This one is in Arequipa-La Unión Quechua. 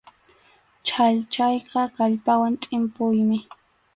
Chhallchayqa kallpawan tʼimpuymi.